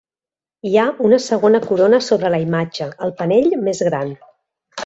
Hi ha una segona corona sobre la imatge, al panell més gran.